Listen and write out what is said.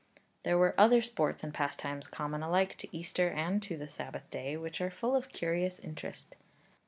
There were other sports and pastimes common alike to Easter and to the Sabbath day, which are full of curious interest.